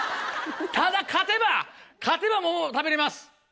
ただ勝てば勝てば桃食べれます。